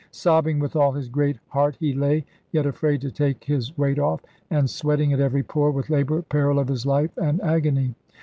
Sobbing with all his great heart he lay, yet afraid to take his weight off, and sweating at every pore with labour, peril of his life, and agony.